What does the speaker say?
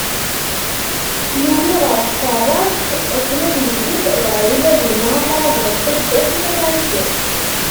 Yuli ɣer tqeṛṛabt akken ad yejdeb, dɣa yufa dinna amṛabeḍ n taddart n At Ɛisi.